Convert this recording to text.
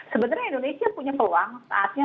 sebenarnya indonesia punya peluang saatnya